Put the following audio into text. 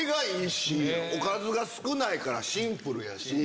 おかずが少ないからシンプルやし。